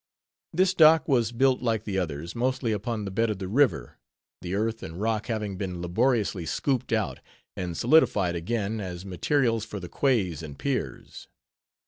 This dock was built like the others, mostly upon the bed of the river, the earth and rock having been laboriously scooped out, and solidified again as materials for the quays and piers.